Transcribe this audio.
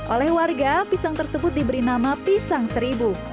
oleh warga pisang tersebut diberi nama pisang seribu